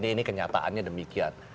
ini kenyataannya demikian